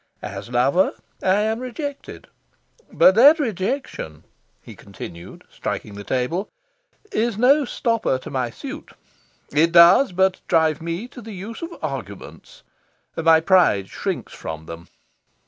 As lover, I am rejected. But that rejection," he continued, striking the table, "is no stopper to my suit. It does but drive me to the use of arguments. My pride shrinks from them.